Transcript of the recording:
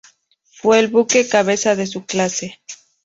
Fue el buque cabeza de su clase.